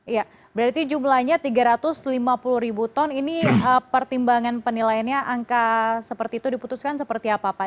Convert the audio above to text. ya berarti jumlahnya tiga ratus lima puluh ribu ton ini pertimbangan penilaiannya angka seperti itu diputuskan seperti apa pak